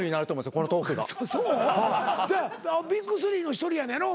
ＢＩＧ３の１人なんやろ？